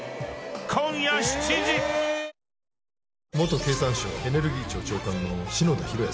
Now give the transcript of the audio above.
元経産省エネルギー庁長官の篠田博康。